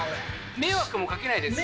迷惑もかけないですしね。